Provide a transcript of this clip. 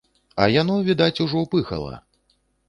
А яно, відаць, ужо пыхала.